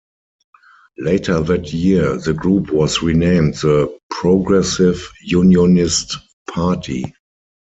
Later that year, the group was renamed the "Progressive Unionist Party".